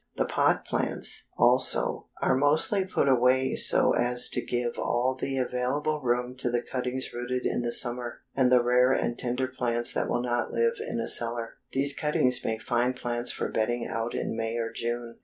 The pot plants, also, are mostly put away so as to give all the available room to the cuttings rooted in the summer, and the rare and tender plants that will not live in a cellar. These cuttings make fine plants for bedding out in May or June.